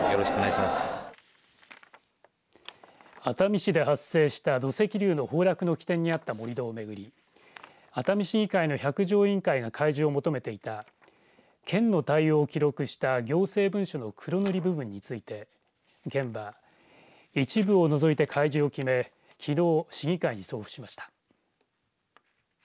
熱海市で発生した土石流の崩落の起点にあった盛り土をめぐり熱海市議会の百条委員会が開示を求めていた県の対応を記録した行政文書の黒塗り部分について県は、一部を除いて開示を決めきのう市議会に送付しました。